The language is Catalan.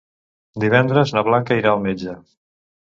Divendres na Blanca irà al metge.